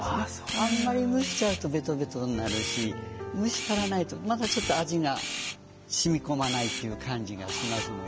あんまり蒸しちゃうとベトベトになるし蒸し足らないとまだちょっと味が染み込まないっていう感じがしますので。